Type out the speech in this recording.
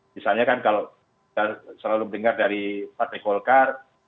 misalnya kan kalau selalu mendengar dari patrick volcar